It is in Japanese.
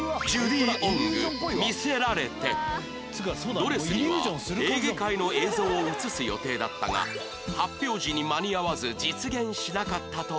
ドレスにはエーゲ海の映像を映す予定だったが発表時に間に合わず実現しなかったという